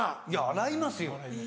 いや洗いますよ。